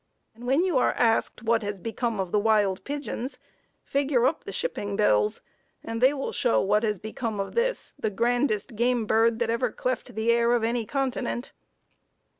And when you are asked what has become of the wild pigeons, figure up the shipping bills, and they will show what has become of this, the grandest game bird that ever cleft the air of any continent."